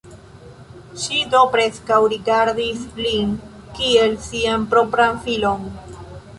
Ŝi do preskaŭ rigardis lin kiel sian propran filon.